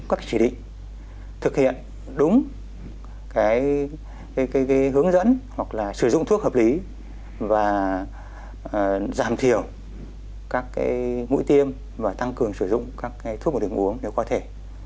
các chỉ định thực hiện đúng cái hướng dẫn hoặc là sử dụng thuốc hợp lý và giảm thiểu các cái mũi tiêm và tăng cường sử dụng các thuốc vào đường uống nếu có thể